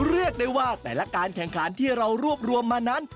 เรียกได้ว่าแต่ละการแข่งขันที่เรารวบรวมมานั้น